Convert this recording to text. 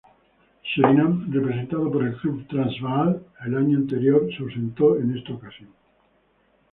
Surinam, representado por el club Transvaal el año anterior, se ausentó en esta ocasión.